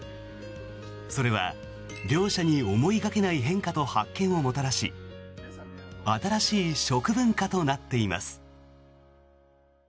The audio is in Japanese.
それは両者に思いがけない変化と発見をもたらし新しい食文化となっています。